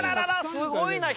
すごいな。